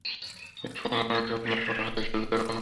এরপর মনে মনে শপথ নিলাম কখনো আর এসবে জড়াবো না।